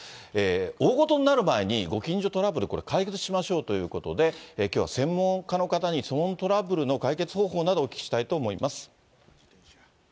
大ごとになる前に、ご近所トラブル、解決しましょうということで、きょうは専門家の方に騒音トラブルの解決方法などをお聞きしたいと思います。